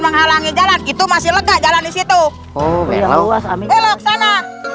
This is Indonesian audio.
menghalangi jalan itu masih lega jalan di situ oh belok belok sana